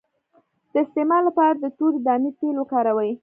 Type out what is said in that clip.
د استما لپاره د تورې دانې تېل وکاروئ